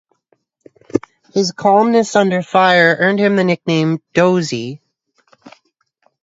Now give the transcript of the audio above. His calmness under fire earned him the nickname "Dozy".